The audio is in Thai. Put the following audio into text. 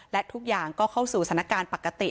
และทุกอย่างก็เข้าสู่สถานการณ์ปกติ